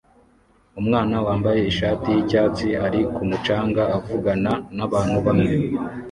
Umwana wambaye ishati yicyatsi ari ku mucanga avugana nabantu bamwe